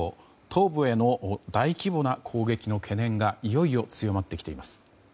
東部への大規模な攻撃の懸念がいよいよ強まってきています。